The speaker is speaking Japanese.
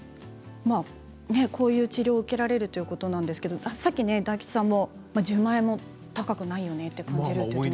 こういう治療を受けられるということなんですがさっき大吉さんも１０万円も高くないよねと感じると。